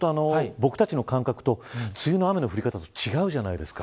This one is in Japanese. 僕たちの感覚と梅雨の雨の降り方と違うじゃないですか。